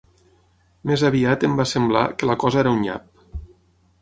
Més aviat em va semblar que la cosa era un nyap.